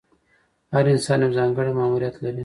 هر انسان یو ځانګړی ماموریت لري.